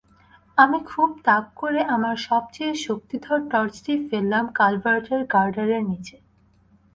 আমি খুব তাক করে আমার সবচেয়ে শক্তিধর টর্চটি ফেললাম কালভার্টের গার্ডারের নিচে।